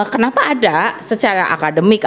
kenapa ada secara akademik